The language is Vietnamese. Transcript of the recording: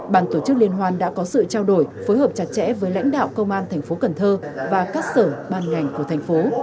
bàn tổ chức liên hoan đã có sự trao đổi phối hợp chặt chẽ với lãnh đạo công an thành phố cần thơ và các sở ban ngành của thành phố